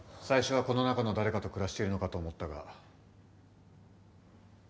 最初はこの中の誰かと暮らしているのかと思ったが。